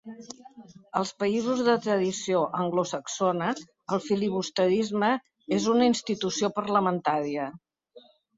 Als països de tradició anglosaxona el filibusterisme és una institució parlamentària.